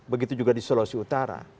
begitu juga di sulawesi utara